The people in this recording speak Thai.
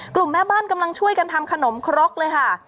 แม่บ้านกำลังช่วยกันทำขนมครกเลยค่ะ